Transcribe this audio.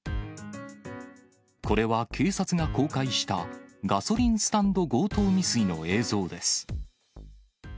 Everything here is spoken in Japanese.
これは警察が公開した、ガソリンスタンド強盗未遂の映像です。